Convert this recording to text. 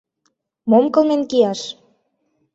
— Мом кылмен кияш!